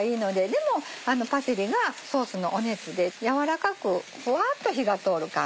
でもパセリがソースの熱で軟らかくふわっと火が通る感じ。